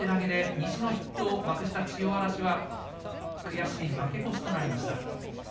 西の筆頭の幕下の千代嵐悔しい負け越しがありました。